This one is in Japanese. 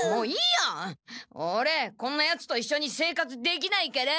オレこんなヤツといっしょに生活できないから。